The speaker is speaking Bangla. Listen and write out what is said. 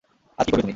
আজ কি করবে তুমি?